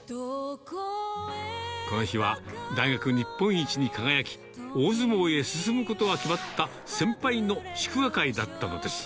この日は、大学日本一に輝き、大相撲へ進むことが決まった先輩の祝賀会だったのです。